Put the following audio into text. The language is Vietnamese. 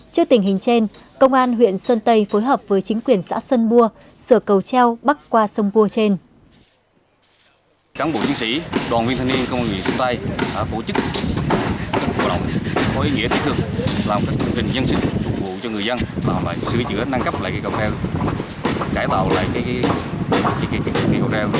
trước tình hình trên công an huyện sơn tây phối hợp với chính quyền xã sơn bua sửa cầu treo bắc qua sông bua trên